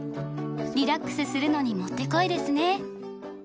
リラックスするのにもってこいですね。